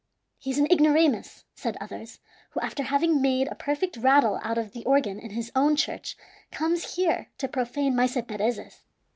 "He is an ignoramus," said others, "who, after having made a perfect rattle out of the organ in his own church, comes here to profane Maese Perez's."